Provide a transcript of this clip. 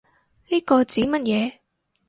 呢個指乜嘢